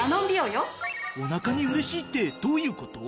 おなかに嬉しいってどういう事？